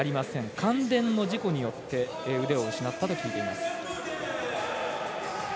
感電の事故によって腕を失ったと聞いています。